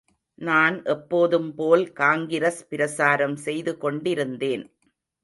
நான் எப்போதும்போல் காங்கிரஸ் பிரசாரம் செய்து கொண்டிருந்தேன்.